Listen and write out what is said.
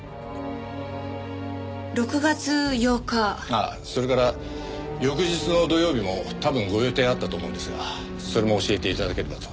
ああそれから翌日の土曜日も多分ご予定あったと思うんですがそれも教えて頂ければと。